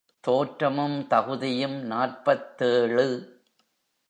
தோற்றமும் தகுதியும் நாற்பத்தேழு.